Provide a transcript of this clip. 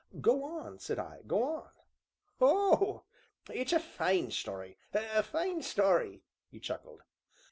"Go on," said I, "go on." "Oh! it's a fine story, a fine story!" he chuckled.